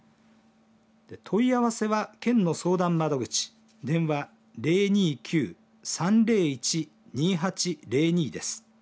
問い合わせは県の相談窓口電話０２９‐３０１‐２８０２です。